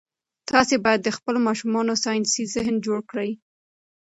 تاسي باید د خپلو ماشومانو ساینسي ذهن جوړ کړئ.